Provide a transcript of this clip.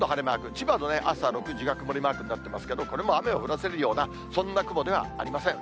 千葉の朝６時が曇りマークになってますけど、これも雨を降らせるような、そんな雲ではありません。